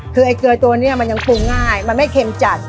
คือไอ้เกลือตัวนี้มันยังปรุงง่ายมันไม่เค็มจัด